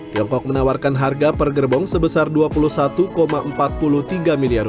tiongkok menawarkan harga per gerbong sebesar rp dua puluh satu empat puluh tiga miliar